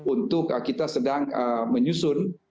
untuk kita sedang menyusun